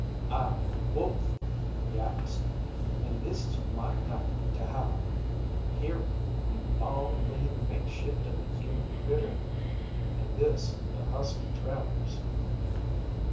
'I'm a wolf,' he yaps, 'an' this is my night to howl. Hear me, you long lean makeshift of a human critter?' an' this to Husky Travers."